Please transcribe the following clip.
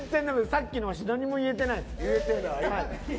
さっきの何も言えてない。